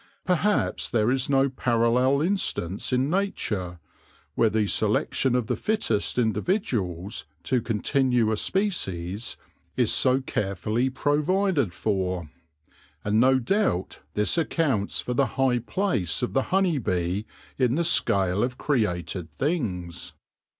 Perhaps there is no parallel instance in nature where the selection of the fittest individuals to continue a species is so carefully provided for, and no doubt this accounts for the high place of the honey bee in the scale of created things.